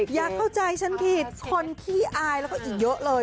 อย่าเข้าใจฉันผิดคนขี้อายแล้วก็อีกเยอะเลย